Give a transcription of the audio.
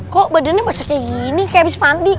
kok badannya pas kayak gini kayak abis mandi